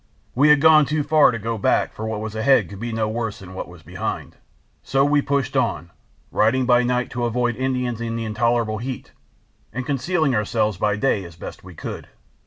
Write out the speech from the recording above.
We had gone too far to go back, for what was ahead could be no worse than what was behind; so we pushed on, riding by night to avoid Indians and the intolerable heat, and concealing ourselves by day as best we could.